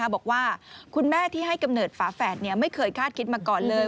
บอกว่าคุณแม่ที่ให้กำเนิดฝาแฝดไม่เคยคาดคิดมาก่อนเลย